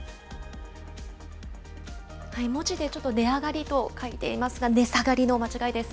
文字でちょっと値上がりと書いていますが、値下がりの間違いです。